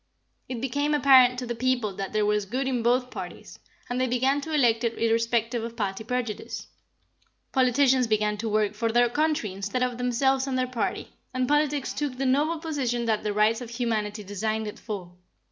It became apparent to the people that there was good in both parties, and they began to elect it irrespective of party prejudice. Politicians began to work for their country instead of themselves and their party, and politics took the noble position that the rights of humanity designed it for.